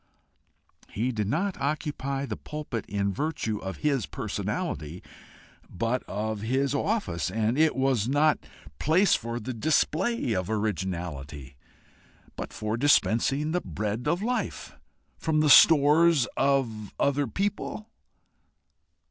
He did not occupy the pulpit in virtue of his personality, but of his office, and it was not a place for the display of originality, but for dispensing the bread of life. From the stores of other people?